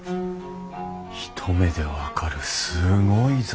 一目で分かるすごい座敷だ。